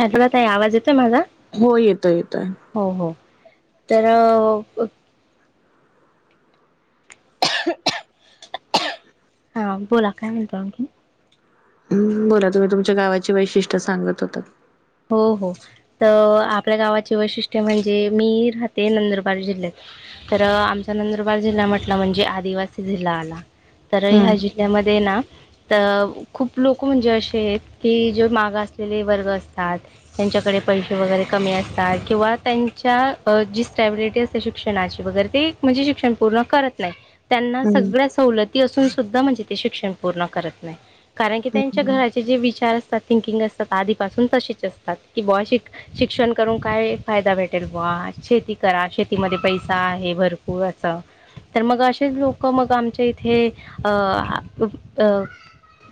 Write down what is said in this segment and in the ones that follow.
हा ताई आवाज येतोय माझा हो येतोय येतोय हो हो तर अ [inaudible] हा बोला काय म्हणता आणखी बोला तुम्ही तुमच्या गावाचे वैशिष्ट्य सांगत होतात हो हो तर आपल्या गावाची वैशिष्ट्य म्हणजे मी राहते नंदुरबार जिल्ह्यात, तर आमचा नंदुरबार जिल्हा म्हटला म्हणजे आदिवासी जिल्हा आला तर हम्म ह्या जिल्ह्यामध्ये ना अ खूप लोक म्हणजे असे आहेत की जे मागासलेले वर्ग अस त्यांच्याकडे पैसे वगैरे कमी असतात किंवा त्यां ज स्टॅबिलिटी असते शिक्षणाची वगैरे, ते म्हणजे शिक्षण पूर्ण करत नाही त्यांना हम्म सगळ्या सवलती असून, सुद्धा म्हणजे ते शिक्षण पूर्ण करत नाही [inaudible] कारण की त्यांच्या हम्म घराचे जे विचार असतात थिंकिंग असत आधीपासून तच असतात की ब शिक शिक्षण करून काय फायदा भेटेल बुवा शेती करा शेतीमध्ये पैसा आहे भरपूर असं तर मग असेच लोक मग आमच्या इथे अ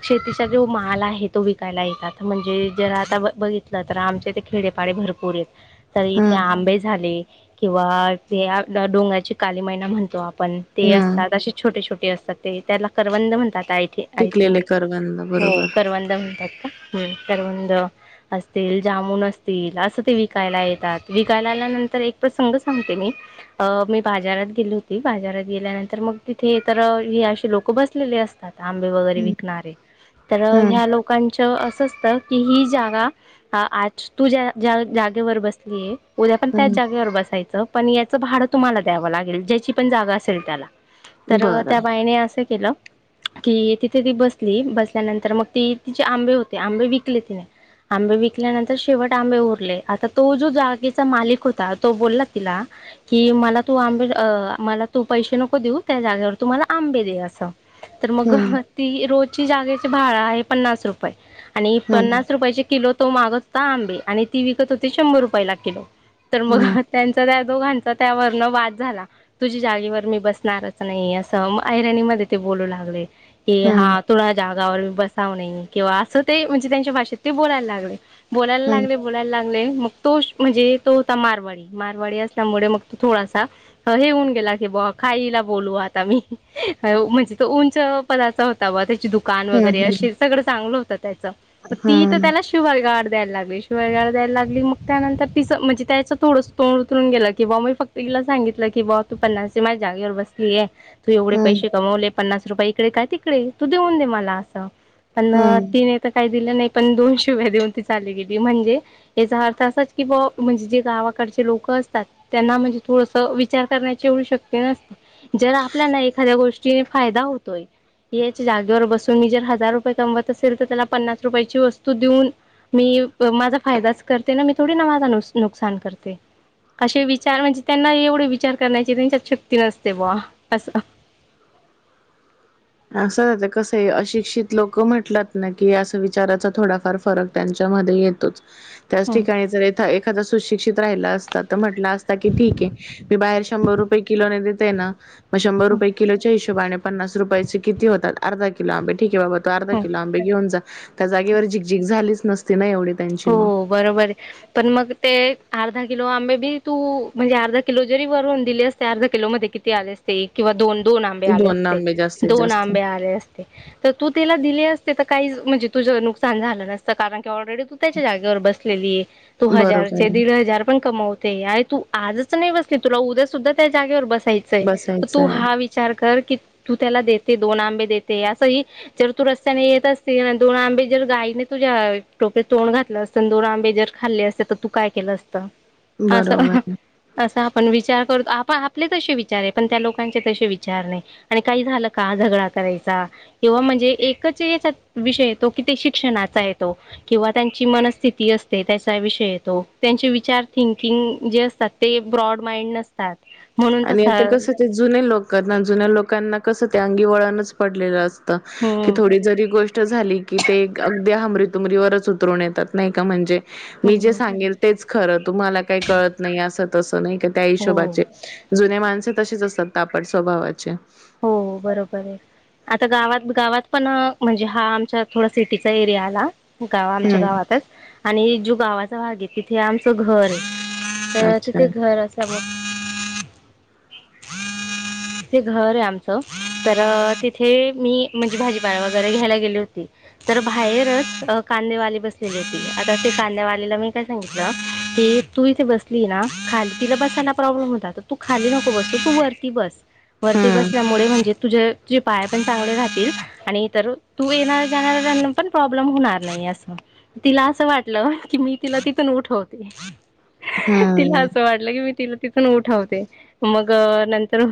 शेतीचा जो माल आहे तो विकायला येतात म्हणजे जर आता बघितलं तर आमचे ते खेडेपाडे भरपूरेत तर इथे हम्म आंबे झाले किंवा ते [unintelligible] डोंगराची काली मैयना म्हणतो आप पण ते हम्म असतात असे छोटे, छोटे असतात ते त्याला करवंद म्हणतात थिंकिंग पिकलेले आयथिंक करवंद हो बरोबर. करवंद म्हणतात का हम्म करवंद असतील जामुन असतील असं ते विकायला येतात विकायला आल्यानंतर एक प्रसंग सांगते मी मी बाजारात गेली होती बाजारात गेल्यानंतर मग तिथे तर हे असे लोक बसलेले असतात आंबे वगैरे हम्म विकणारे तर हम्म ह्या लोकांच्या असं असतं की ही जागा हा आज तू ज्याच्या जागेवर बसलीय उद्या पण त्याच हम्म जागेवर बसायचं पण याचं भाडे तुम्हाला द्यावं लागेल ज्याची पण जागा असेल त्याला तर त्या बरं बाईने असं केलं कि तिथे ती बसली बसल्यानंतर मग ती तिचे आंबे होते आंबे विकले तिने आंबे विकल्यानंतर शेवट आंबे उरले आता तो जो जागेचा मालिक होता तो बोलला तिला कि मला तू आंबे मला तू पैसे नको देऊ त्या जागेवर तू मला आंबे दे असं तर मग हम्म ती रोज ची जागेचे भाडे आहे पन्नास रुपये आणि हम्म पन्नास रुपयाची किलो तो मागत होता आंबे आणि ती विकत होती शंभर रुपयाला किलो तर मग हम्म त्यांच त्या दोघांचा त्यावर न वाद झाला तुझी जागीवर मी बसणारच नाही असं ऐराणी मध्ये ते बोलू लागले की हम्म हा तुला बसाव नाही किंवा असं ते म्हणजे त्यांच्या भाषेत ते बोलायला लागले बोलायला हम्म लागले बोलायला लागले तो म्हणजे तो होता मारवाडी मारवाडी असल्यामुळे मग थोडासा हे होऊन गेला की हीला बोलू आता म्हणजे तो उंचपना होता दुकान वगैरे हम्म असे सगळं चांगलं होतात त्यांचं हम्म ती तर हम्म त्याला शुवरगाड द्यायला लागली, शिव्यागाळ दायला लागली, मग त्यानंतर तिच, म्हणजे त्याचं थोडं तोड उतरून गेलं. कि बा मी फक्त तिला सांगितलं कि बा तू पन्नासची माझ्या जागेवर बसलीय. तू एवढे हम्म पैसे कमवले पन्नास रूपये इकडे काय तिकडे तू देऊन दे मला असं पण हम्म ती ने तर कायच दिले नाही. पण दोन शिव्या देऊन ती चाली गेली. म्हणजे याचा अर्थ असाच की बा, म्हणजे जे गावाकडचे लोक असतात, त्यांना म्हणजे थोडस विचार करण्याची एवढी शक्य नसते. जर आपल्याना एखाद्या गोष्टी हा एक फायदा होतोय, याच जागेवर बसून मी जर हजार रुपये कमवते असले तर त्याला पन्नास रुपये वस्तू देऊन मी माझा फायदाच करते ना मी थोडी ना माझ नुकसान करते. असे विचार म्हणजे त्यांना एवढे विचार करण्याचे त्यांच्यात शक्ती नसते बुवा अस असं कसंय अशिक्षित लोक म्हटलात ना की अस विचाराचा थोडाफार फरक त्यांच्यामध्ये येतोच त्याच हं ठिकाणी जर एखादा सुशिक्षित सुशिक्षित राहिला असता तर, म्हटला असता की ठीके मी बाहेर शंभर रुपये किलो देते ना म शंभर हं रुपये किलोच्या हिशोबाने पन्नास रुपयाची किती होतात अर्धा किलो [unintelligible] ठीक आहे बाबा तो अर्धा हं किलो आंबे घेऊन, जा त्या जागेवर झिकझिक झालीस नसते ना एवढे. हो बरोबर आहे पण मग ते अर्धा किलो आंबे बी तू, म्हणजे अर्धा किलो जरी वरून दिले असते, अर्धा किलो मध्ये किती आले असते ते किवा दोन. दोन आंबे आले असते, आंबे जास्तीत दोन जास्त. आंबे आले असते तर तू त्याला दिले अस ते तर काही म्हणजे तुझं नुकसान झालं नसत कारण की ऑलरेडी त्याच्या जागेवर बसलेली आहे तू हजार बरोबर चे आहे. दीड हजार पण कमावत तेय तू आजच नाही बसली तुला उद्या सुद्धा त्या जागेवर बस बसायचय, बसायचं तू आहे. हा विचार कर क तू त्याला देते दोन आंबे देते, असंही जर तू रस्त्याने येत असतील दोन आंबे जर गाईने तुझ्या टोपित तोंड घातलं असतं, आण दोन आंबे जर खाल्ले असते तर तू काय केलं असंत? बरोबर असं आहे. असं पण विचार करतो आपण आपण आपले तसे विचार आहे, पण त्या लोकांचे तसे विचार नाही आणि काही झालं का झगडा करायचा किवा म्हणजे एकच याचा विषय येतो कि ते शिक्षणाचा येतो. किंवा त्यांची मनस्थिती असते त्याचा विषय य तो, त्यांचे विचार थिंकिंग जे असतात ते ब्रॉड माइंड नसत आणि आता कस ते जुने लोक कारण जुन्या लोकांना कसं ते अंगी वळणच पडलेलं अस असत की हम्म थोडी जरी गोष्ट झाली की ते ते हमरी तुमरी वरच उतरून येतात नाही का म्हणजे मी जे हम्म सांगेल तेच खरं. तुम्हाला काही कळत नाही आसत. तो नाही का? त्या हो हिशोबाने जुने माणस तशीच असतात, तापट स्वभावाचे. हो हो बरोबर ये. आता गावात गावात पण अ म्हणजे, हा आमच्या थोडा सिटीचा एरिया आला. गाव आमच्या हम्म गावातच आणि ज्यो गावात सहा घे. तिथे आमचं घर आहे. अ अच्छा तिथे घर असा मो [unintelligible] ते घर ये तर तिथे मी म्हणजे भाजीपाला वगैरे घ्यायला गेली होती, तर बाहेरच कांदेवाली बसलेली होती आता ते कांदेवालेला मी काय सांगितलं की तू इथे बसली ना खाली तिला बसायला प्रॉब्लेम होता, तर तू खाली नको बसल तू वरती बस हम्म त्यामुळे म्हणजे तुझे तुझे पाय पण चांगले राहतील, आणि तर तू येणाय्रा जाणाऱ्यांना पण प्रॉब्लेम होणार नाही असं, तिला असं वाटलं की मी तिला तिथून उठवते. तिला हम्म असं वाटलं की मी तिला तिथून उठवते, मग अं नंतर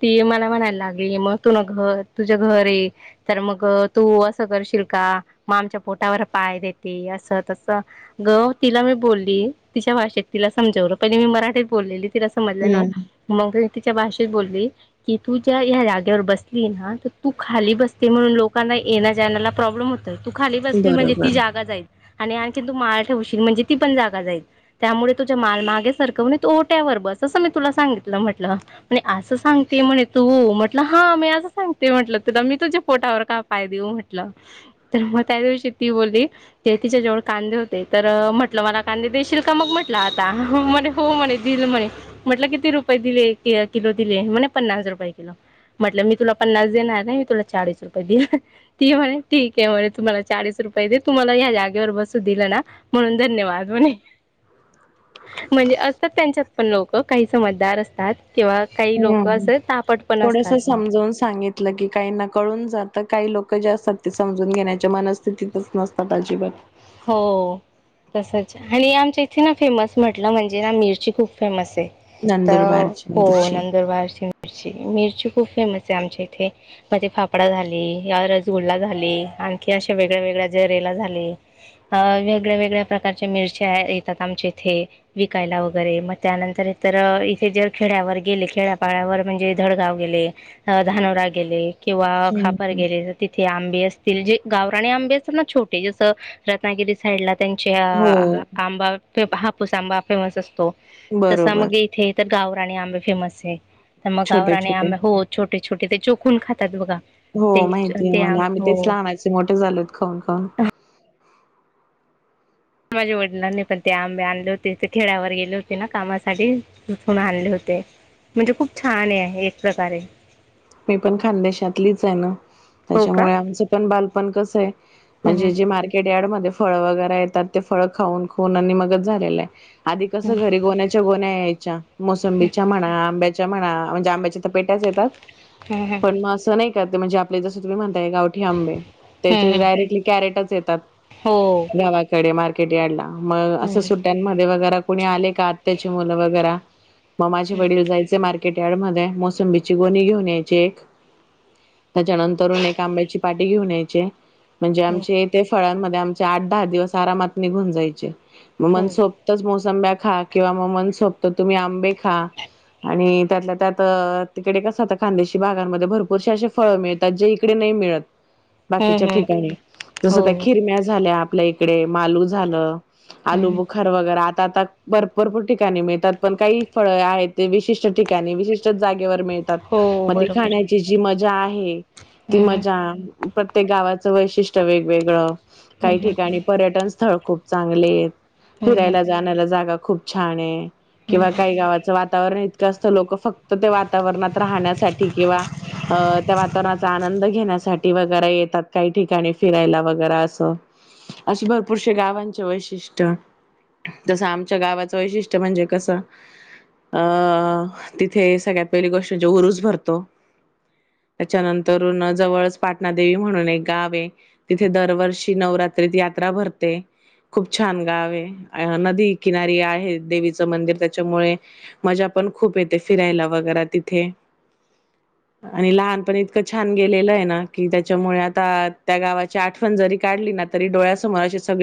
ती मला म्हणायला लागली, मग तुन-तूझ घर ये तर मग तू असं करशील का, मग आमच्या पोटावर पाय देते. असं तसं गं तिला मी बोलली तिच्या भाषेत तिला समजवलं, पहिली मी मराठीत बोललेली. तिला समजल नाही. हम्म मग तिच्या भाषेत बोलली की तू ज्या ह्या जागेवर बसली ना, तर तू खाली बसते म्हणून लोकांना येण्या जाण्याला प्रॉब्लेम होतो तर तू खाली बसली म्हणजे, ती बरोबर जागा जाईल. आणि आणखीन तू माल ठेवशील, म्हणजे ती पण जागा जाईल. त्यामुळे तुझा माल मागे सरकवं आणि तू ओट्यावर बस, असं मी तुला सांगितलं म्हटलं, आणि असं सांग ती म्हणे तु. म्हटलं हा मी असं सांगते म्हटलं तुला मी तुझ्या पोटावर का पाय देऊ म्हटलं? तर मग त्या दिवशी ती बोलली, ते तिच्या जवळ कांदे होते, तर म्हटलं मला कांदे देशील का? मग म्हटलं आता म्हणे हो म्हणे देईल म्हणे म्हटलं किती रुपये दिले? एक किलो दिले? म्हणे पन्नास रुपये किलो म्हणलं, मी तुला पन्नास देणार नाही. मी तुला चाळीस रुपये देईल ती म्हणे ठीक आहे, म्हणे तू मला चाळीस रूपये दे. तू मला या जागेवर बसू दिलं ना, म्हणून धन्यवाद म्हणे म्हणजे, असं त्यांच्यात पण लोक काही समजदार असतात. तेव्हा काही लोक असं तापट पण असतात थोडसं बा समजावून सांगितलं की, काही ना कळून जात काही लोक काही जे असतात ते समजून घेण्याच्या मनस्थितीतच नसतात अजिबात. हो तसंच आणि आमच्या इथे ना, फेमस म्हटलं म्हणजे ना मिरची खूप फेमस आहे. तर नंदुरबारची हो, मिरची. नंदुरबारची मिरची मिर ची खूप फेमस आहे आमच्या इथे. म्हणजे फाफडा झाली, या रसगुल्ला झाली, आणखी अशा वेगळ्या-वेगळ्या जरेला झाली. अं वेगळ्या-वेगळ्या प्रकारच्या मिरच्या येतात आमच्या इथे, विकायला वगैरे. मग त्यानंतर इतर, इथे जर खेड्यावर गेले, खेड्यापाड्यावर म्हणजे जळगाव गेले, अं धानोरा गेले किंवा- हम्म खापर हम्म. गेले, तर तिथे आंबे अस ते जे गावरानी आंबे असतात ना, छोटे असं रत्नागिरी साईडला त्यांच्या- हो आंबा तो हापूसांबा पिवळाच असतो. तसा बरोबर मग इथे तर गावरानी आंबे फेमस आहे. तर मग छोटे गावरानी छोटे आंबे, हो छोट ते छोटे, ते चोकून खातात बघा? हो, ते माहिती आहे ते आं मला. आम्ही तेच हो लहानाचे मोठे झालो खाऊन खाऊन. माझे वडिलांनी पण ते आंबे आणले होते. ते खेड्यावर गेले होते ना, कामासाठी, तिथून आणले होते. म्हणजे खूप छान आहे आहे, एक प्रकारे. मी पण खानदेशातलीचं आहे ना. हो का त्याच्यामुळे आमचं पण बालपण कस आहे, हम्म म्हणजे जे मार्केट यार्ड म्हण ते फळं वगैरे येतात, ते फळ खाऊन खाऊन आणि मगचं झालेलं आहे. आधी कसं हम्म घरी, गोण्याच्या गोण्या यायच्या, मोसंबीच्या म्हणा, आंब्याच्या त्या म्हणा, म्हणजे आंब्याच्या तर पेट्याच येतात. हम्म हम्म पण मग असं नाही त्यात ते म्हणजे, आपले जस तुम्ही म्हण ते गावठी आंबे. त्याचे हम्म हम्म डायरेक्टली कॅरेटच येतात, हो गावाकडे मार्क ते डॅडला मग, हम्म असं हम्म सुट्ट्यांमध्ये वगैरात कुणी आले का आत््याची मुलं वगैरे म माझ वडील जायचे मार् कट्याळमध्ये आहे मोसम बच गोणी घेऊन यायचे एक त्याच्यानंतरून एक आंब्याची पाट घेऊन यायचे म्हणजे आमचे ते फळांमध्ये आमचे आठ दहा दिवस आरामात निघून जायचे हो मन हो सोबतच मोसम ब किं म सोत तुम्ही आंबे खा आणि त्यात त्यात तिकडे कसं आता खानदेशी भागांमध्ये भरपूरसे असे फळं मिळतात जे इकडे नाही मिळत हम्म बाकीच्या हम्म ठिकाणी जस त्या हो खिरम्या झाल्या आपल्या इकडे मालू झालं आलू हम्म बुखर वगैरे आ आता भरपरपूर ठिकाणी मिळतात पण काही फळे आहेत विशिष्ट ठिकाणी विशिष्ट जा हो ग बरोबर खण्याची म जा आहे ती हम्म हम्म मजा प्रत्येक गावात वशि वेगवेगळ काही हम्म ठिकाणी पर्य स्थळ खूप चांगले हम्म हम्म फिरायला जाण्याला जागा खूप छान आहे. हम्म किंवा काही गावाचं वातावरण. असत लोक फक्त ते वा वाताणात राहण्यासाठी किंवा, अ त्या वातावरणाचा आनंद घेण्यासाठी वगैरे येतात, काही ठिकाणी फिरायला वगैर असं, असे भरपूरसे गावांचे वैशिष्ट्य तसं आमच्या गावाच वैशिष्ट्य म्हणजे कस अं तिथे सगळ्यात पहिली गोष्ट म्हणजे उरूस भरतो, त्याच्यानंतर जवळच पाटणा देवी म्हणून एक गाव आहे, तिथे दरवर्षी नवरात्रीत यात्रा भरते, खूप छान गाव आहे, नदी किनारी आहे देवीचं मंदिर त्याच्यामुळे मजा पण खूप येते, फिरायला वगैर तिथे आणि लहानपण इतकं छान गेलेलं आहे ना, कि त्याच्यामुळे आता त्या गावाची आठवण जरी काढली ना तरी डोळ्यासमोर असे सगळे